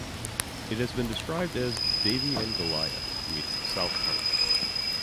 It has been described as "Davey and Goliath"...meets "South Park".